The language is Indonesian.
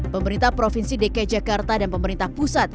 pemerintah provinsi dki jakarta dan pemerintah pusat